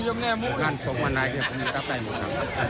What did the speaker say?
หรือว่าหรือว่าหรือว่าหรือว่าหรือว่าหรือว่าหรือว่า